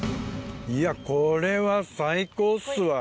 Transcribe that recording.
いやこれは最高っすわ。